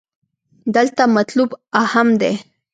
دلته مطلوب اهم دې.